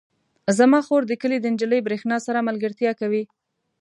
زما خور د کلي د نجلۍ برښنا سره ملګرتیا کوي.